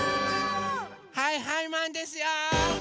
はいはいマンですよ！